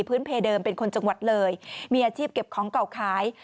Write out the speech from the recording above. เพเดิมเป็นคนจังหวัดเลยมีอาชีพเก็บของเก่าขาย